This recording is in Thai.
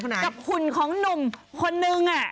กับหุ่นของหนุ่มคนนึง